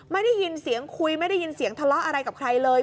ไม่ได้ยินเสียงคุยไม่ได้ยินเสียงทะเลาะอะไรกับใครเลย